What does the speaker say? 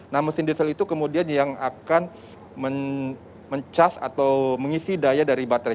nah mesin diesel itu kemudian yang akan mencas atau mengisi daya dari baterai